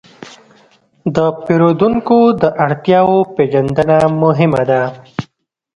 د پیرودونکو د اړتیاوو پېژندنه مهمه ده.